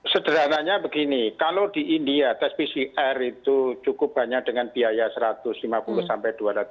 sederhananya begini kalau di india tes pcr itu cukup banyak dengan biaya satu ratus lima puluh sampai dua ratus